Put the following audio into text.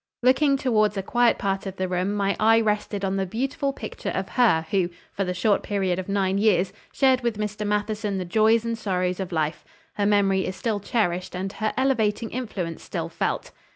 Looking towards a quiet part of the room my eye rested on the beautiful picture of her who, for the short period of nine years, shared with Mr. Matheson the joys and sorrows of life. Her memory is still cherished and her elevating influence still felt.